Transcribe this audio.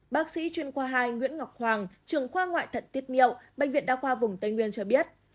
bác sĩ chuyên khoa hai nguyễn ngọc hoàng trường khoa ngoại thận tiết niệu bệnh viện đa khoa vùng tây nguyên cho biết